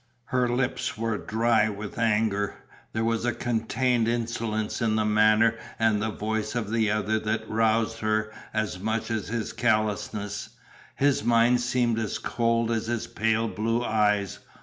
Her lips were dry with anger, there was a contained insolence in the manner and voice of the other that roused her as much as his callousness. His mind seemed as cold as his pale blue eyes.